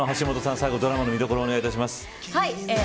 最後、ドラマの見どころをお願いします。